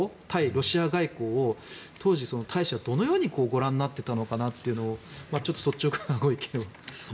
ロシア外交を当時、大使はどのようにご覧になっていたのかなというのをちょっと率直なご意見を。